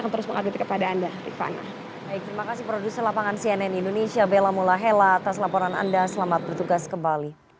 terus mengadu kepada anda rifana